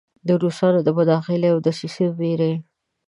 د روسانو د مداخلې او دسیسو ویرې.